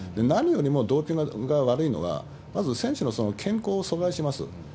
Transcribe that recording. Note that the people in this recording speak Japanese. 何よりもドーピングが悪いのは、まず選手のその健康を阻害します。